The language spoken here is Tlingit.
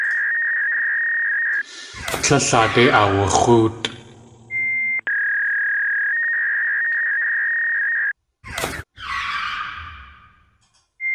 Tlél aadé awux̲óotʼ.